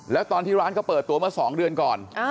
แล้วตอนที่ร้านเขาเปิดตัวเมื่อ๒เดือนก่อน